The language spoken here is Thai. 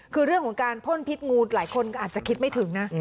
คือเรื่องของการพ่นพิษงูหลายคนก็อาจจะคิดไม่ถึงนะ